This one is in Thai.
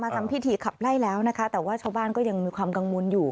ทำพิธีขับไล่แล้วนะคะแต่ว่าชาวบ้านก็ยังมีความกังวลอยู่